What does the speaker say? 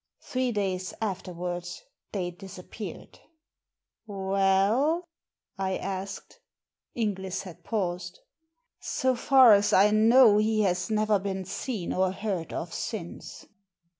Three days afterwards they disappeared." " Well ?" I asked. Inglis had paused. " So far as I know, he has never been seen or heard of since."